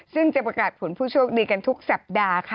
ซึ่งจะประกาศผลผู้โชคดีกันทุกสัปดาห์ค่ะ